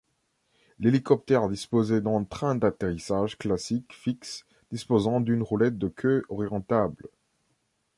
L'hélicoptère disposait d'un train d'atterrissage classique fixe disposant d'une roulette de queue orientable.